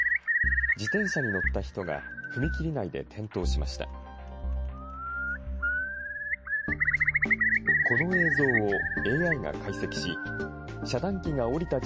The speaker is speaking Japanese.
自転車に乗った人が踏切内で転倒しました。